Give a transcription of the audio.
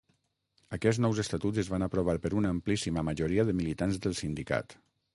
Aquests nous estatuts es van aprovar per una amplíssima majoria de militants del sindicat.